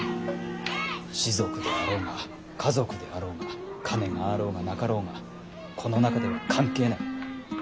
士族であろうが華族であろうが金があろうがなかろうがこの中では関係ない。